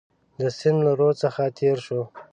د سیند له رود څخه تېر شو.